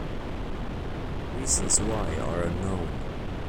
Reasons why are unknown.